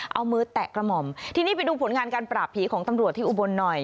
เอามือแตะกระหม่อมทีนี้ไปดูผลงานการปราบผีของตำรวจที่อุบลหน่อย